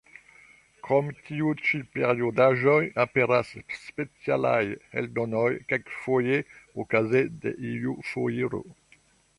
Krom tiu ĉi periodaĵoj, aperas specialaj eldonoj, kelkfoje okaze de iu foiro.